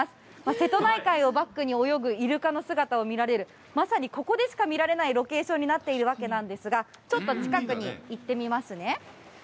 瀬戸内海をバックに泳ぐイルカの姿を見られる、まさにここでしか見られないロケーションになっているわけなんですが、ちょっと近くに行ってみますね。